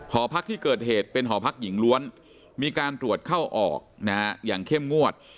หอพักที่เกิดเหตุเป็นหอพักหญิงล้วนมีการตรวจเข้าออกอย่างเข้มงวด